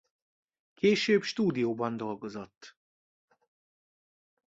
Később stúdióban dolgozott.